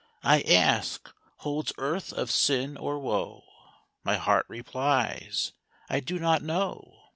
I ask, "Holds earth of sin, or woe?" My heart replies, "I do not know."